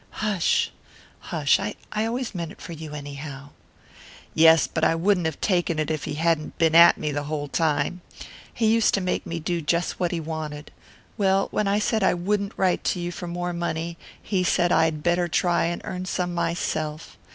"Hush, hush. I always meant it for you anyhow." "Yes, but I wouldn't have taken it if he hadn't been at me the whole time. He used to make me do just what he wanted. Well, when I said I wouldn't write to you for more money he said I'd better try and earn some myself.